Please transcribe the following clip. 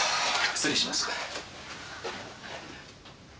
失礼します。